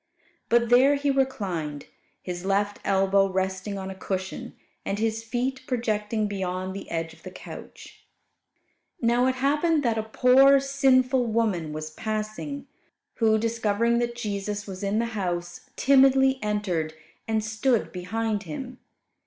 But there He reclined, His left elbow resting on a cushion, and His feet projecting beyond the edge of the couch. Now it happened that a poor, sinful woman was passing, who, discovering that Jesus was in the house, timidly entered, and stood behind Him.